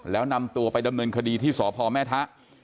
แล้วนำตัวไปดำเนินคดีที่สพแม่ทะ